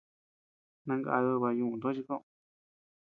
Nangadid baʼa ñuʼuu tochi koʼod.